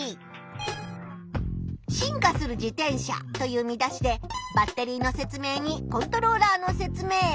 「進化する自転車」という見出しでバッテリーのせつ明にコントローラーのせつ明。